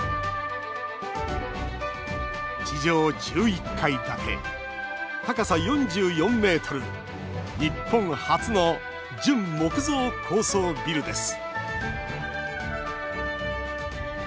地上１１階建て、高さ４４ｍ日本初の純木造高層ビルです